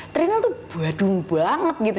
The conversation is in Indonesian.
trinil itu badung banget gitu